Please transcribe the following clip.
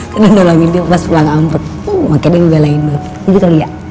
kena dolamin dia pas pelang ambut makanya dia ngebelain lo gitu kali ya